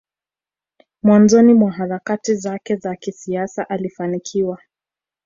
mwanzoni mwa harakati zake za kisiasa alifanikiwa